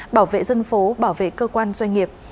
bảo vệ dân phố bảo vệ cơ quan doanh nghiệp